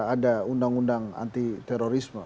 ada undang undang anti terorisme